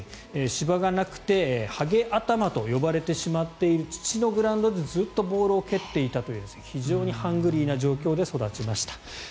芝がなくてはげ頭と呼ばれてしまっている土のグラウンドでずっとボールを蹴っていたという非常にハングリーな状況で育ちました。